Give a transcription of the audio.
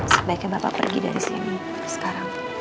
sebaiknya bapak pergi dari sini sekarang